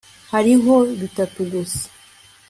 hariho bitatu gusa